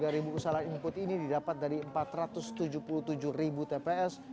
tiga ribu kesalahan input ini didapat dari empat ratus tujuh puluh tujuh ribu tps